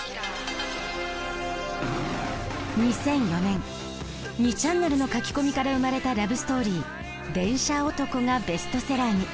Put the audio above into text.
２００４年「２ちゃんねる」の書き込みから生まれたラブストーリー「電車男」がベストセラーに。